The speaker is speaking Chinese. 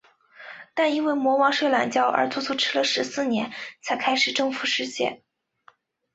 但因为魔王睡懒觉而足足迟了十四年才开始征服世界。